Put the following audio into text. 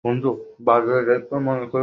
সূর্যকে আমার জন্যে ঠেকিয়ে রাখুন।